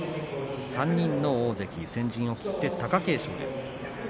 ３人の大関、先陣を切って貴景勝です。